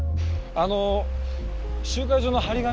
あの集会所の貼り紙